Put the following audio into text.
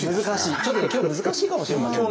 ちょっと今日難しいかもしれませんね。